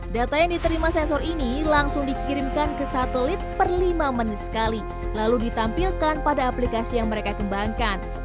data yang diterima sensor ini langsung dikirimkan ke satelit per lima menit sekali lalu ditampilkan pada aplikasi yang mereka kembangkan